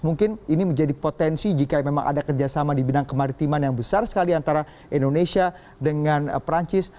mungkin ini menjadi potensi jika memang ada kerjasama di bidang kemaritiman yang besar sekali antara indonesia dengan perancis